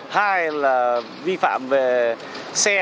hai là vi phạm về xe